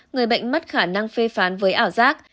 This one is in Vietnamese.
người bệnh mất khả năng phê phán với ảo giác